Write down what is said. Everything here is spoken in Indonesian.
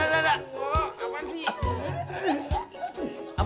tidak tidak tidak